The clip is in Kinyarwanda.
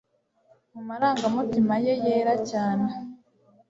Mu marangamutima ye yera cyane